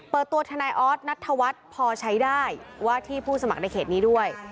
เปิดตัวทนายออสนัทธวัฒน์พอใช้ได้ว่าที่ผู้สมัครในเขตนี้ด้วย